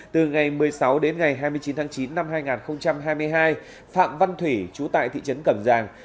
từ ngày một mươi sáu đến ngày hai mươi chín tháng chín năm hai nghìn hai mươi hai phạm văn thủy chú tại thị trấn cẩm giàng